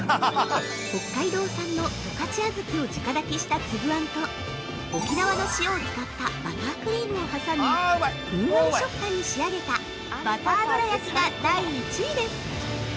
◆北海道産の十勝小豆を直炊きした粒あんと沖縄の塩を使ったバタークリームを挟みふんわり食感に仕上げたバターどらやきが第１位です。